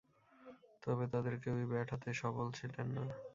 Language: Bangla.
তবে, তাদের কেউই ব্যাট হাতে সফল ছিলেন না।